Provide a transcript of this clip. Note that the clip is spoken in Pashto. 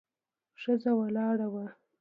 ښځه ولاړه وه.